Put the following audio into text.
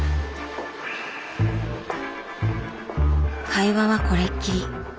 会話はこれっきり。